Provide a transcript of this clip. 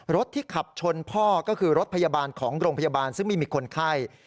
รถที่ขับชนพ่อก็คือรถพยาบาลของโรงพยาบาลซึ่งไม่มีคนไข้